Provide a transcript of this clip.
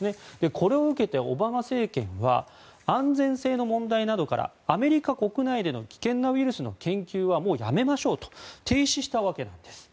これを受けてオバマ政権は安全性の問題などからアメリカ国内での危険なウイルスの研究はもうやめましょうと停止したわけなんです。